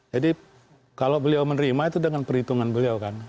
jadi kalau beliau menerima itu dengan perhitungan beliau kan